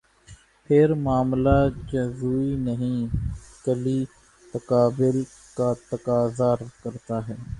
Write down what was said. پھر معاملہ جزوی نہیں، کلی تقابل کا تقاضا کرتا ہے۔